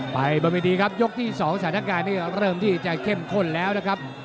บนเวทีครับยกที่๒สถานการณ์นี้เริ่มที่จะเข้มข้นแล้วนะครับ